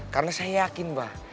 karena saya yakin bah